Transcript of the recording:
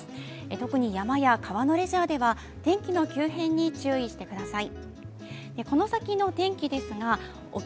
特に山や川のレジャーでは天気の急変に注意してください。